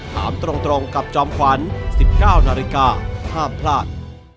ถามตรงกับจอมขวัญ๑๙นาฬิกาห้ามพลาด